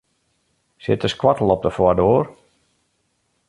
Sit de skoattel op de foardoar?